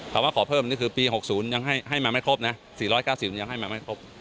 ว่าขอเพิ่มนี่คือปี๖๐ยังให้มาไม่ครบนะ๔๙๐มันยังให้มาไม่ครบ